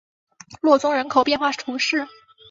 洛宗人口变化图示